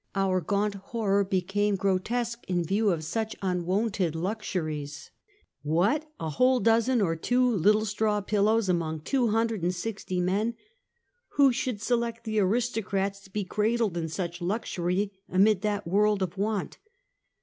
Our gaunt horror became grotesque, in view of such unwonted luxuries. What! A whole dozen or two little straw pillows among one hundred and sixty men! Who should elect the aristocrats to be cradled in such luxury amid that world of want?